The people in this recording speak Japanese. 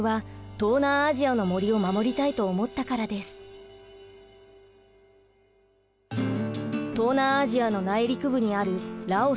東南アジアの内陸部にあるラオス。